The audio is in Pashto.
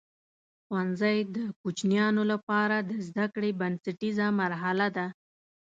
ښوونځی د کوچنیانو لپاره د زده کړې بنسټیزه مرحله ده.